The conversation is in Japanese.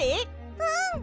うん！